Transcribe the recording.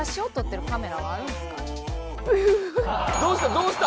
どうした？